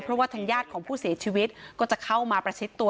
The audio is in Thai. เพราะว่าทางญาติของผู้เสียชีวิตก็จะเข้ามาประชิดตัว